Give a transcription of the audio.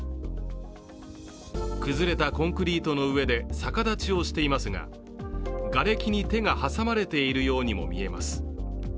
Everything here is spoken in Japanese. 崩れたコンクリートの上で逆立ちをしていますががれきに手が挟まれているようにも見えます。